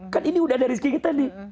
kan ini udah ada rizki kita nih